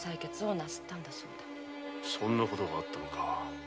そんなことがあったのか。